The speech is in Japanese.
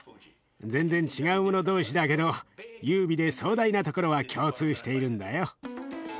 全然違うもの同士だけど優美で壮大なところは共通しているんだよ。